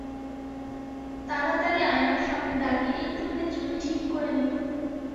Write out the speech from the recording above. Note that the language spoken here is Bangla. তাড়াতাড়ি আয়নার সামনে দাঁড়িয়ে একটুখানি চুল ঠিক করে নিলুম।